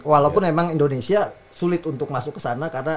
walaupun memang indonesia sulit untuk masuk ke sana